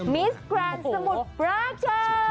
มิสเกิร์็นซะมุทรลักชัน